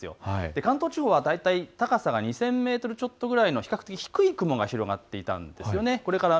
関東地方は大体高さが２０００メートルちょっとぐらいの比較的、低い雲が広がっていたんです。